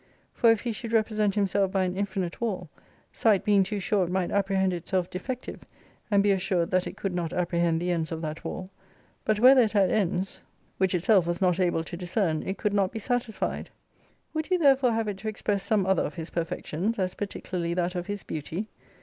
For if He should represent Himself by an infinite wall ; sight being too short might apprehend itself defective, and be assured that it could not apprehend the ends of that wall ; but whether it had ends, which itself was not able to discern, it could not be satisfied. Would you therefore have it to express some other of His perfections ; as particularly that of His beauty